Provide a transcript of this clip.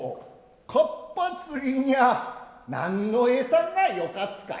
かっぱ釣りにゃ何のえさがよかつかい？